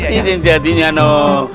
ini ring jadinya noh